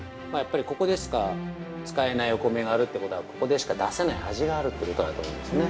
◆ここでしか使えないお米があるということは、ここでしか出せない味があるということだと思うんですね。